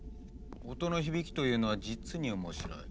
音の響きというのは実に面白い。